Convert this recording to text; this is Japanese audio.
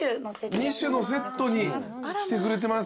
２種のセットにしてくれてます。